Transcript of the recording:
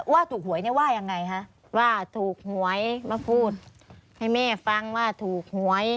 ว่าถูกหวยเนี่ยว่ายังไงคะว่าถูกหวยมาพูดให้แม่ฟังว่าถูกหวย